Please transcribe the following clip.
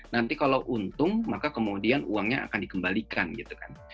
nanti kalau untung maka kemudian uangnya akan dikembalikan gitu kan